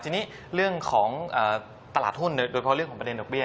ทีนี้เรื่องของตลาดหุ้นโดยเฉพาะเรื่องของประเด็นดอกเบี